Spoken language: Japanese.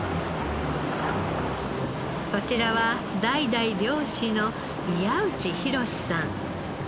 こちらは代々漁師の宮内浩さん。